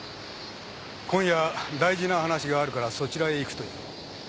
今夜大事な話があるからそちらへ行くという。